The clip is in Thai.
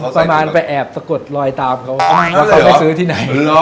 ประมาณไปแอบสะกดลอยตามเขาว่าเขาไปซื้อที่ไหน